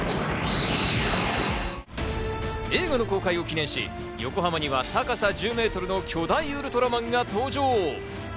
映画の公開を記念し、横浜には高さ１０メートルの巨大ウルトラマンが登場。